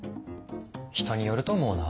人によると思うな。